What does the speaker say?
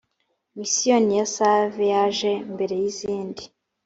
misiyoni ya save yajee mbere yizindi.